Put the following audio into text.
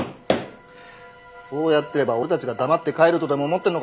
そうやっていれば俺たちが黙って帰るとでも思ってるのか？